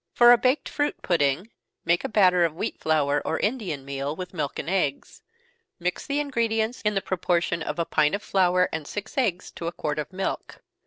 For a baked fruit pudding, make a batter of wheat flour, or Indian meal, with milk and eggs. Mix the ingredients in the proportion of a pint of flour and six eggs to a quart of milk.